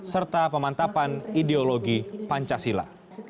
serta pemantapan ideologi pancasila